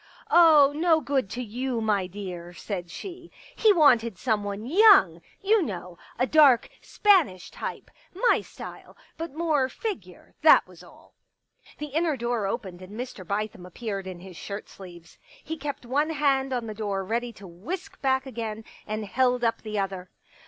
" Oh, no good to you, my dear," said she. " He wanted someone young, you know — a dark Spanish type — my style, but more figure, that was all." The inner door opened and Mr. Bithem appeared in his shirt sleeves. He kept one hand on the door ready to whisk back again, and held up the other.